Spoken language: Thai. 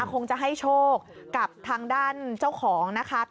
คงจะให้โชคกับทางด้านเจ้าของนะคะ